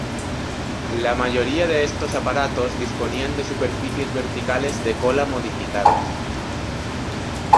La mayoría de estos aparatos disponían de superficies verticales de cola modificadas.